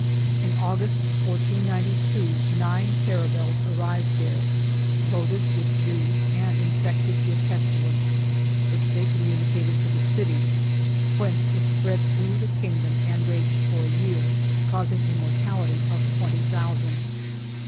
In August, 1492, nine caravels arrived there, loaded with Jews and infected with pestilence, which they communicated to the city, whence it spread through the kingdom and raged for a year, causing a mortality of twenty thousand.